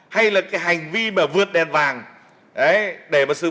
hay là cái hành vi mà vượt đèn vàng để mà sử dụng